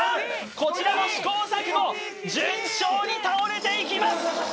こちらも試行錯誤順調に倒れていきます